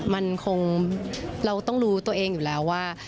มันคงเราต้องรู้ตัวเองอยู่แล้วว่า